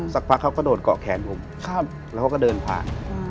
สักพักเขาก็โดดเกาะแขนผมแล้วเขาก็เดินผ่าน